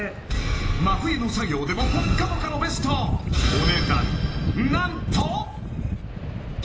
真冬の作業でもポッカポカのベストお値段何と！